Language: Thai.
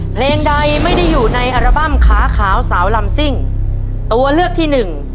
เพลงใดไม่ได้อยู่ในอัลบั้มขาขาวสาวลำซิ่งตัวเลือกที่หนึ่ง